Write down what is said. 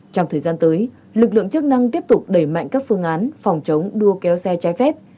trong thời gian tới lực lượng chức năng tiếp tục đẩy mạnh các phương án phòng chống đua kéo xe trái phép